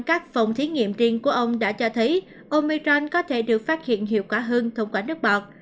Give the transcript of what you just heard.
các phòng thí nghiệm riêng của ông đã cho thấy omiron có thể được phát hiện hiệu quả hơn thông quả nước bọt